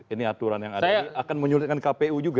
ini aturan yang ada ini